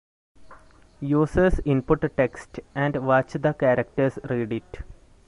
Users input text and watch the characters read it.